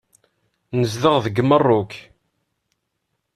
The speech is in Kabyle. Nezdeɣ deg Meṛṛuk.